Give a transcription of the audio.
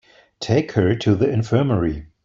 Take her to the infirmary.